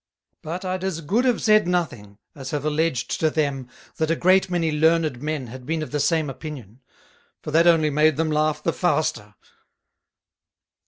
But I'd as good have said nothing, as have alledged to them, That a great many Learned Men had been of the same Opinion; for that only made them laugh the faster.